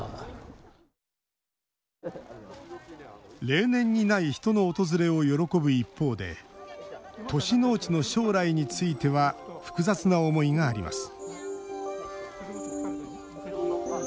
例年にない人の訪れを喜ぶ一方で都市農地の将来については複雑な思いがあります。